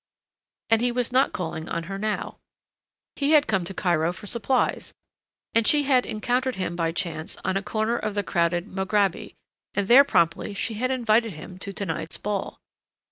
And he was not calling on her now. He had come to Cairo for supplies and she had encountered him by chance upon a corner of the crowded Mograby, and there promptly she had invited him to to night's ball.